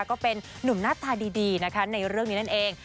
ก็เป็นนุ่มหน้าตาดีนะคะในเรื่องนี้นั่นเอง